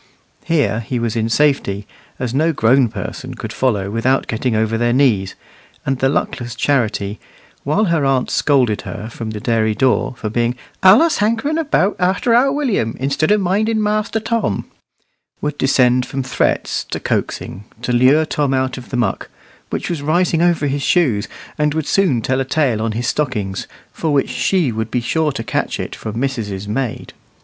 Here he was in safety, as no grown person could follow without getting over their knees; and the luckless Charity, while her aunt scolded her from the dairy door, for being "allus hankering about arter our Willum, instead of minding Master Tom," would descend from threats to coaxing, to lure Tom out of the muck, which was rising over his shoes, and would soon tell a tale on his stockings, for which she would be sure to catch it from missus's maid.